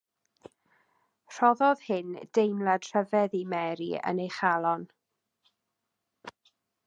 Rhoddodd hyn deimlad rhyfedd i Mary yn ei chalon.